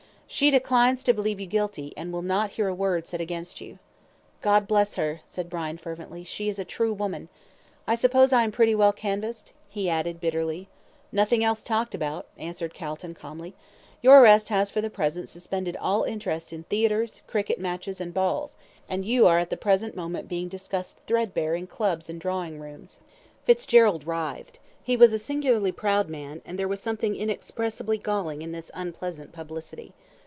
"She declines to believe you guilty, and will not hear a word said against you." "God bless her," said Brian, fervently; "she is a true woman. I suppose I am pretty well canvassed?" he added, bitterly. "Nothing else talked about," answered Calton, calmly. "Your arrest has for the present suspended all interest in theatres, cricket matches, and balls, and you are at the present moment being discussed threadbare in Clubs and drawing rooms." Fitzgerald writhed. He was a singularly proud man, and there was something inexpressibly galling in this unpleasant publicity.